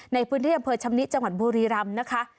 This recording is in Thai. ในพื้นที่อำเภอชำนิจังหวัดบุรีรำนะคะ